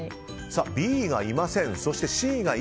Ｂがいません。